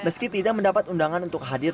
meski tidak mendapat undangan untuk hadir